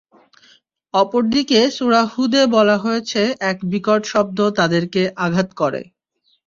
অপর দিকে সূরা হূদে বলা হয়েছে এক বিকট শব্দ তাদেরকে আঘাত করে।